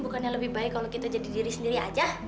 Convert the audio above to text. bukannya lebih baik kalau kita jadi diri sendiri aja